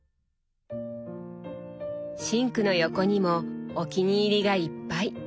シンクの横にもお気に入りがいっぱい。